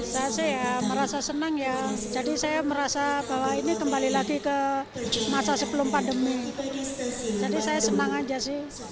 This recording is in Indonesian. saya sih ya merasa senang ya jadi saya merasa bahwa ini kembali lagi ke masa sebelum pandemi jadi saya senang aja sih